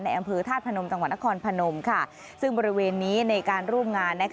อำเภอธาตุพนมจังหวัดนครพนมซึ่งบริเวณนี้ในการร่วมงาน